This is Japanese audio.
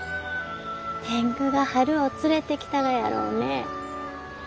天狗が春を連れてきたがやろうね。